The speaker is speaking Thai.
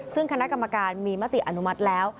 ซึ่งคณะกรรมการมีมติอนุมัติแล้ว